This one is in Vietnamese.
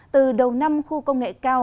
từ đầu năm khu công nghệ cao